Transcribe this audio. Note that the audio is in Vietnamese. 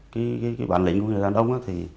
cái bản lĩnh của người đàn ông